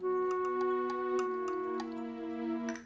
ya ya gak